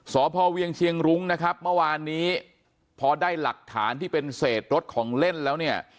สพเวียงเชียงรุ้งนะครับเมื่อวานนี้พอได้หลักฐานที่เป็นเศษรถของเล่นแล้วเนี่ย